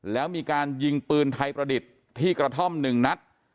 แล้วมีการยิงปืนไทยประดิษฐ์ที่กระท่อม๑นัด